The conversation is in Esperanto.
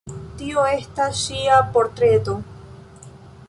Tio estas ŝia portreto.